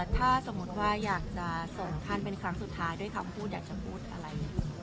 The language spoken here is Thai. ถ้าสมมุติว่าอยากจะส่งท่านเป็นครั้งสุดท้ายด้วยคำพูดอยากจะพูดอะไร